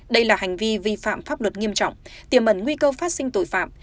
đây là hành vi vi phạm pháp luật nghiêm trọng tiềm ẩn nguy cơ phát sinh tội phạm